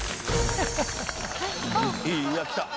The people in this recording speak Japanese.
いや来た！